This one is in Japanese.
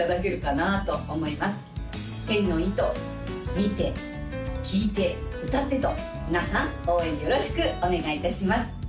見て聴いて歌ってと皆さん応援よろしくお願いいたします